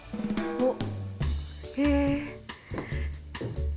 おっ。